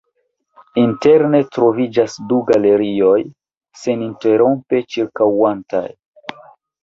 Interne troviĝas du galerioj seninterrompe ĉirkaŭantaj.